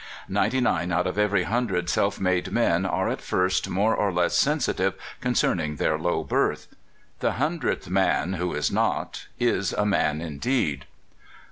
Ninety nine out of every hundred self made men are at first more or less sensitive concerning their low birth ; the hundredth man who is not is a man indeed.